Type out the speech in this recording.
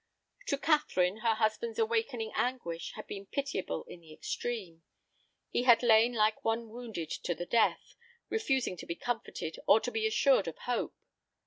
To Catherine her husband's awakening anguish had been pitiable in the extreme. He had lain like one wounded to the death, refusing to be comforted or to be assured of hope.